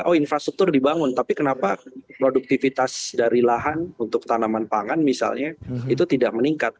oh infrastruktur dibangun tapi kenapa produktivitas dari lahan untuk tanaman pangan misalnya itu tidak meningkat